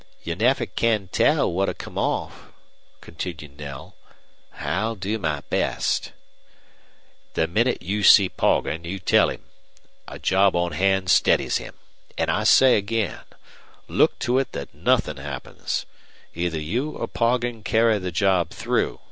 "You never can tell what'll come off," continued Knell. "I'll do my best." "The minute you see Poggin tell him. A job on hand steadies him. And I say again look to it that nothing happens. Either you or Poggin carry the job through.